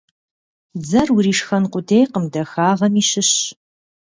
Дзэр уришхэн къудейкъым, дахагъэми щыщщ.